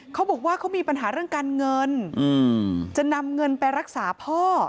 เขาบอกว่าเขามีปัญหาเรื่องการเงินจะนำเงินไปรักษาพ่อ